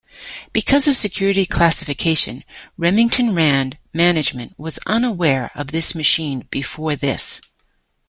Because of security classification, Remington Rand management was unaware of this machine before this.